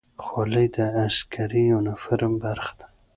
خولۍ د عسکري یونیفورم برخه ده.